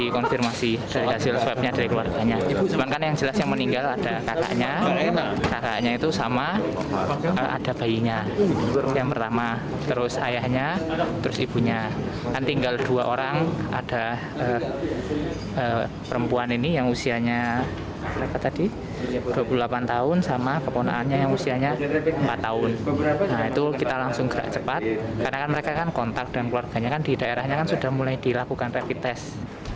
karena mereka kontak dengan keluarganya di daerahnya sudah mulai dilakukan rapid test